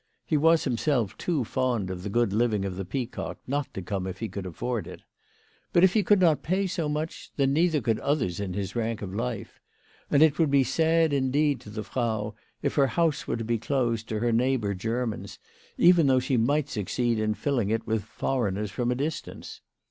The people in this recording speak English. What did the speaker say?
He was himself too fond of the good living of the Peacock not to come if he could afford it. But if he could not pay so much, then neither could others in his rank of life ; and it would be sad indeed to the Frau if her house were to be closed to her neighbour Germans, even though she might succeed in filling it with foreigners from a distance.